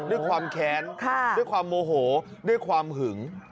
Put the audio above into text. ด้วยความแค้นด้วยความโมโหด้วยความหึง